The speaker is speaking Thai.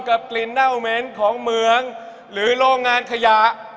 กลิ่นเน่าเหม็นของเมืองหรือโรงงานขยะ